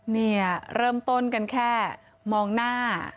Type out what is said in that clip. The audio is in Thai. นี่เริ่มต้นกันแค่มองหน้า